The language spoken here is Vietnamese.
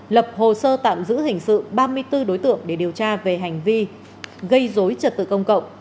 lập hồ sơ tạm giữ hình sự ba mươi bốn đối tượng để điều tra về hành vi gây dối trật tự công cộng